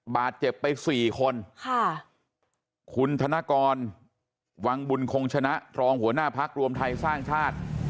บาดเจ็บไปสี่คนค่ะคุณธนกรวังบุญคงชนะรองหัวหน้าพักรวมไทยสร้างชาติ